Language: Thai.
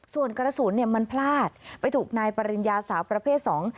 ส่วนกระสุนเนี่ยมันพลาดไปถูกนายปริญญาสาวประเภทสอง